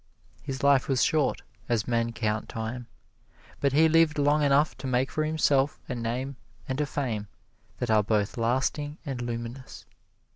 His life was short, as men count time, but he lived long enough to make for himself a name and a fame that are both lasting and luminous.